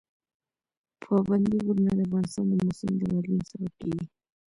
پابندي غرونه د افغانستان د موسم د بدلون سبب کېږي.